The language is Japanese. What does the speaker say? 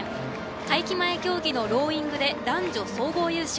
会期前競技のローイングで男女総合優勝。